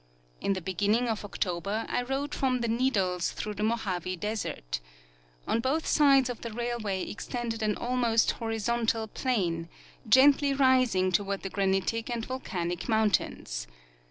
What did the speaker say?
In the beginning of October I rode from The Needles through the Mohave desert. On both sides of the railway extended an almost horizontal plain, gently rising toward the granitic and volcanic mountains.